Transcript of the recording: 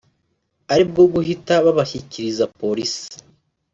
ari bwo guhita babashyikiriza polisi